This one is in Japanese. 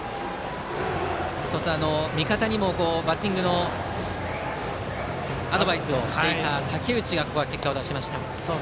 味方にもバッティングのアドバイスをしていた武内がここは結果を出しました。